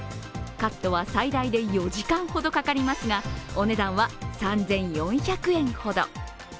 カットは最大で４時間ほどかかりますがお値段は３４００円ほど。